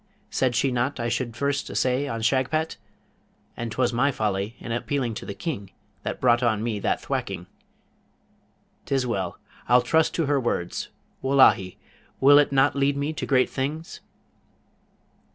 Said she not I should first essay on Shagpat? and 'twas my folly in appealing to the King that brought on me that thwacking. 'Tis well! I'll trust to her words. Wullahy! will it not lead me to great things?'